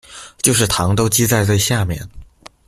就是糖都積在最下面